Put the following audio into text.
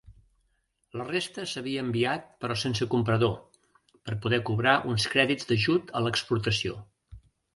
La resta s'havia enviat però sense comprador, per poder cobrar uns crèdits d'ajut a l'exportació.